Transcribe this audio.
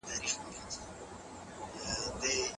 احمد نن سهار وختي خپلي نوې هټۍ ته تللی و.